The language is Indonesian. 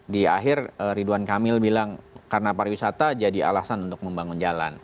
di akhir ridwan kamil bilang karena pariwisata jadi alasan untuk membangun jalan